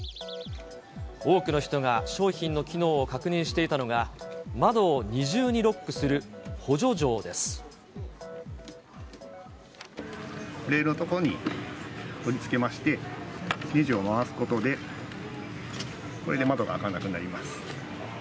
多くの人が商品の機能を確認していたのが、レールの所に取り付けまして、ねじを回すことで、これで窓が開かなくなります。